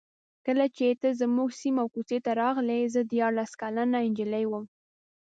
کله چې ته زموږ سیمې او کوڅې ته راغلې زه دیارلس کلنه نجلۍ وم.